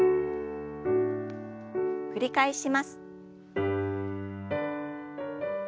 繰り返します。